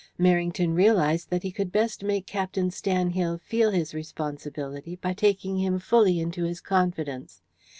Merrington realized that he could best make Captain Stanhill feel his responsibility by taking him fully into his confidence.